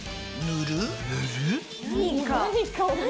塗る？